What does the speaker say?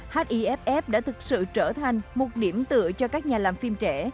hiff đã thực sự trở thành một điểm tựa cho các nhà làm phim trẻ